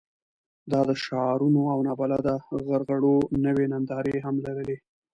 دا د شعارونو او نابلده غرغړو نوې نندارې هم لرلې.